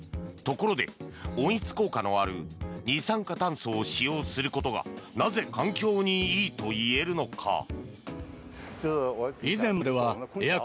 ところで、温室効果のある二酸化炭素を使用することがなぜ、環境にいいと言えるのか。